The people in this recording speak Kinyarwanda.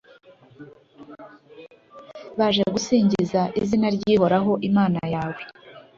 baje gusingiza izina ry’uhoraho, imana yawe,